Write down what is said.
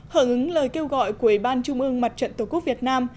hở ứng lời kêu gọi của ủy ban trung ương mặt trận tổ quốc việt nam